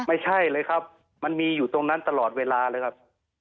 ไม่ใช่เลยครับมันมีอยู่ตรงนั้นตลอดเวลาเลยครับ